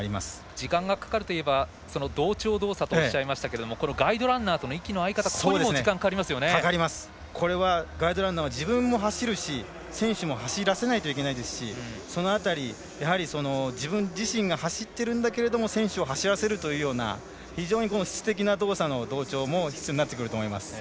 時間がかかるといえば同調動作とおっしゃいましたがガイドランナーとの息の合い方これはガイドランナーは自分も走るし選手も走らせないといけないですしその辺り、自分自身が走ってるんだけど選手を走らせるというような非常に動作の同調も必要になってきます。